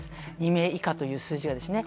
２名以下という数字はですね。